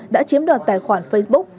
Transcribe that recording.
đã chiếm đoạt tài khoản facebook